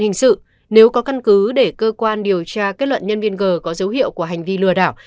hình sự nếu có căn cứ để cơ quan điều tra kết luận nhân viên g có dấu hiệu của hành vi lừa đảo